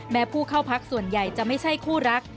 ผู้เข้าพักส่วนใหญ่จะไม่ใช่คู่รัก